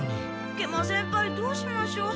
食満先輩どうしましょう？